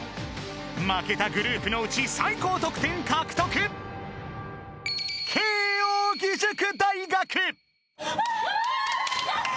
［負けたグループのうち最高得点獲得］わ！